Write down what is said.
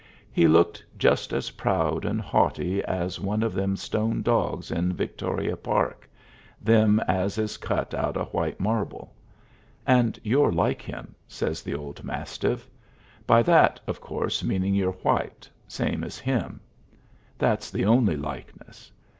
He looked just as proud and haughty as one of them stone dogs in Victoria Park them as is cut out of white marble. And you're like him," says the old mastiff "by that, of course, meaning you're white, same as him. That's the only likeness.